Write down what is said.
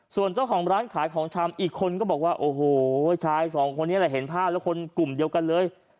ส่วนเจ้าของร้านขายของชามอีกคนบอกว่าตอนนี้เห็นภาพแล้วคุณกลุ่มเดียวกันเลย